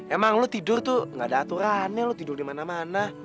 emang lu tidur tuh gak ada aturannya lu tidur dimana mana